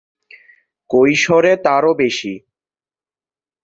কৈশোরে তারও বেশি!